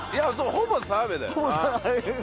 ほぼ澤部だよな。